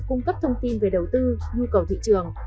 cung cấp thông tin về đầu tư nhu cầu thị trường